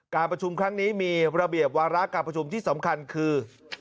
การประชุมครั้งนี้มีระเบียบวาระการประชุมที่สำคัญคือ